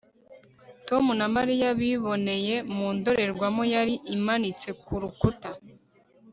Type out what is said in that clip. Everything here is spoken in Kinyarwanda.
tom na mariya biboneye mu ndorerwamo yari imanitse ku rukuta